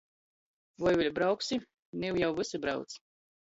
Voi vēļ brauksi? Niu jau vysi brauc.